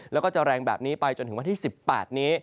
แล้วก็จะแรงแบบนี้ไปจนถึงวันที่๑๘นี้